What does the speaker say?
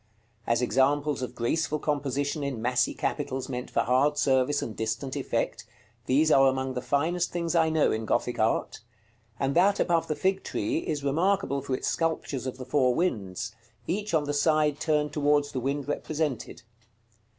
As examples of graceful composition in massy capitals meant for hard service and distant effect, these are among the finest things I know in Gothic art; and that above the fig tree is remarkable for its sculptures of the four winds; each on the side turned towards the wind represented.